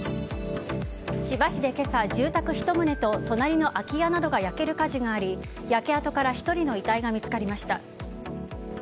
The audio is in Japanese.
千葉市で今朝、住宅１棟と隣の空き家などが焼ける火事があり焼け跡から１人の遺体が見つかりました。